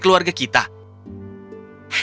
saya unung set joining broad